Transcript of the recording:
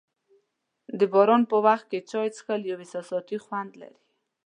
د باران په وخت چای څښل یو احساساتي خوند لري.